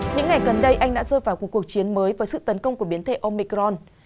những ngày gần đây anh đã rơi vào một cuộc chiến mới với sự tấn công của biến thể omicron